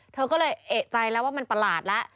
เธอก็เลยเอกใจแล้วว่ามันประหลาดแล้ว